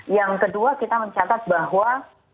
yang kedua kita mencatat bahwa